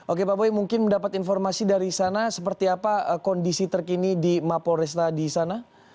oke pak boy mungkin mendapat informasi dari sana seperti apa kondisi terkini di mapol resta di sana